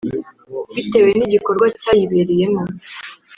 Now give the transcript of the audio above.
bitewe n’igikorwa cyayibereyemo